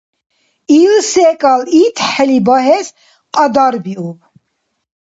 Ил секӀал итхӀели багьес кьадарбиуб.